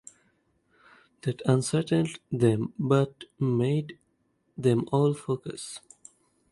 that unsettled them but made them all focus.